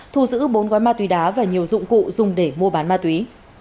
thu giữ bốn gói ma túy đá và nhiều dụng cụ dùng để mua bán ma túy